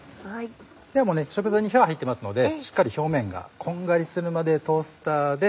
ではもうね食材に火は入ってますのでしっかり表面がこんがりするまで。